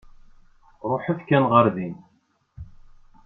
Ṛuḥet kan ɣer din.